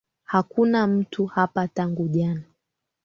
Hakuna mtu hapa tangu jana